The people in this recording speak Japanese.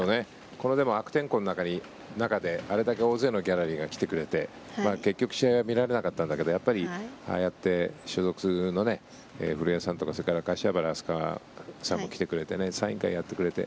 この悪天候の中であれだけ大勢のギャラリーが来てくれて、結局試合は見られなかったんだけどやっぱりああやって所属の古江さんとかそれから柏原明日架さんも来てくれてサイン会をやってくれて。